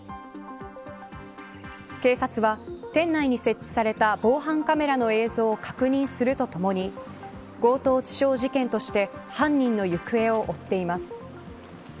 警察は店内に設置された防犯カメラの映像を確認するとともに強盗致傷事件として犯人の行方を追っています。